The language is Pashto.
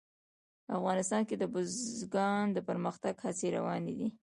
افغانستان کې د بزګان د پرمختګ هڅې روانې دي.